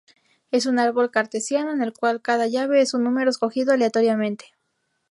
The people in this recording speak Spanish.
Es un Árbol Cartesiano en el cual cada llave es un número escogido aleatoriamente.